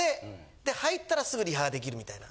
で入ったらすぐリハ出来るみたいな。